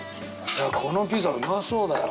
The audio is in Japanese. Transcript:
このピザうまそうだよ。